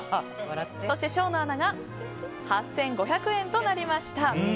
そして生野アナが８５００円となりました。